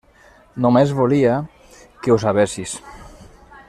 Només volia que ho sabessis.